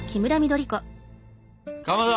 かまど！